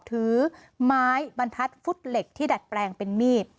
ถือไม้บรรทัดฟุตเหล็กที่ดัดแปลงเป็นมีด